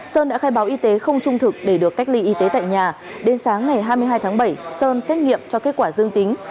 sơn đã khai báo y tế không trung thực để được cách ly y tế tại nhà đến sáng ngày hai mươi hai tháng bảy sơn xét nghiệm cho kết quả dương tính